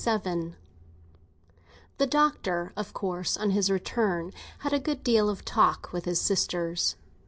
XXVII THE Doctor, of course, on his return, had a good deal of talk with his sisters.